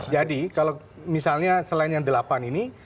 jadi kalau misalnya selain yang delapan ini